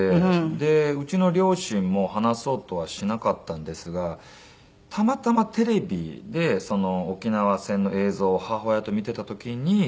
でうちの両親も話そうとはしなかったんですがたまたまテレビで沖縄戦の映像を母親と見ていた時に。